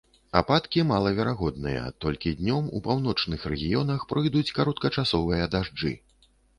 Ападкі малаверагодныя, толькі днём у паўночных раёнах пройдуць кароткачасовыя дажджы.